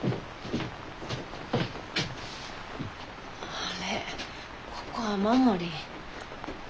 あれここ雨漏り。